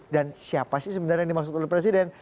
siapa sih sebenarnya yang dimaksud oleh presiden